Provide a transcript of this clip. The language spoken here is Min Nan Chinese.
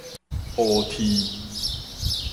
烏雉